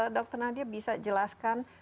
dr nadia bisa jelaskan